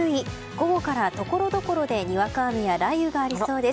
午後からところどころでにわか雨や雷雨がありそうです。